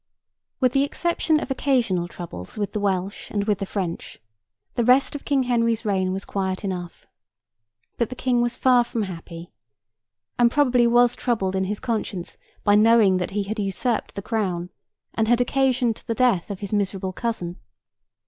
With the exception of occasional troubles with the Welsh and with the French, the rest of King Henry's reign was quiet enough. But, the King was far from happy, and probably was troubled in his conscience by knowing that he had usurped the crown, and had occasioned the death of his miserable cousin.